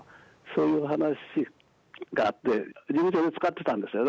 そういう話があって、事務所で使ってたんですよ。